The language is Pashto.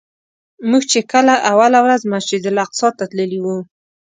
موږ چې کله اوله ورځ مسجدالاقصی ته تللي وو.